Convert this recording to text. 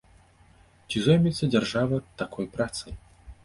Ці зоймецца дзяржава такой працай?